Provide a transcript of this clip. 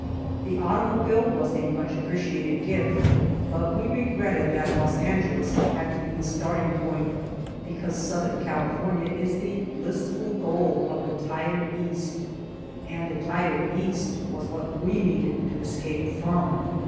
The automobile was a much appre ciated gift, but we regretted that Los Angeles had to be the starting point because southern California is the blissful goal of the tired east and the tired east was what we needed to escape from.